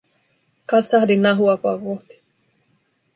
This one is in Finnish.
Katsahdin Nahuakoa kohti.